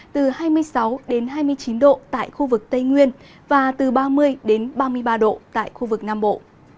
từ hai mươi sáu đến hai mươi chín độ tại khu vực tây nguyên và từ ba mươi ba mươi ba độ tại khu vực nam bộ